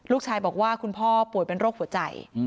ลูกชายบอกว่าคุณพ่อป่วยเป็นโรคหัวใจ